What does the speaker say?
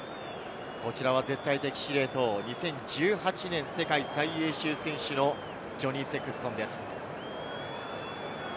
こちらは絶対的司令塔、２０１８年の世界最優秀選手のジョニー・セクストンです。